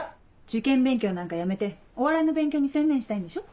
受験勉強なんかやめてお笑いの勉強に専念したいんでしょ？